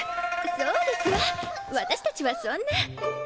そうですわ私たちはそんな。